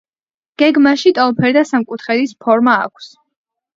გეგმაში ტოლფერდა სამკუთხედის ფორმა აქვს.